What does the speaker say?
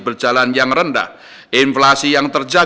berita terkini mengenai nilai tukar rupiah yang berbalik